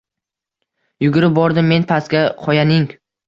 Yugurib bordim men pastga qoyaning —